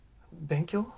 勉強？